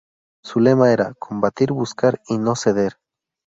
Su lema era "combatir, buscar y no ceder".